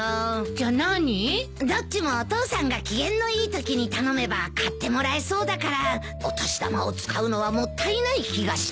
どっちもお父さんが機嫌のいいときに頼めば買ってもらえそうだからお年玉を使うのはもったいない気がして。